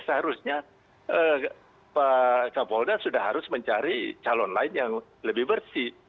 seharusnya pak kapolda sudah harus mencari calon lain yang lebih bersih